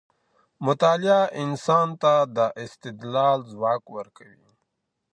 مطالعه انسان ته د استدلال ځواک ورکوي.